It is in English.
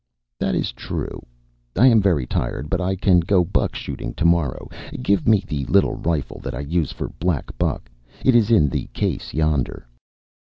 "That is true. I am very tired, but I can go buck shooting tomorrow. Give me the little rifle that I use for black buck; it is in the case yonder."